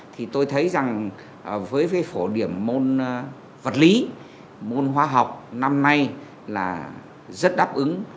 thì tôi thấy rằng với cái phổ điểm môn vật lý môn hóa học năm nay là rất đáp ứng